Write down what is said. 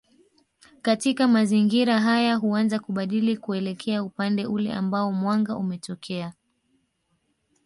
Katika mazingira haya huanza kubadili kuelekea upande ule ambao mwanga umetokea